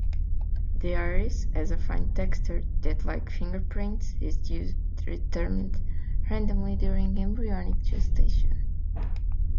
The iris has a fine texture that-like fingerprints-is determined randomly during embryonic gestation.